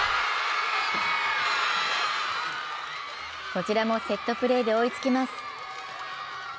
こちらもセットプレーで追いつきます。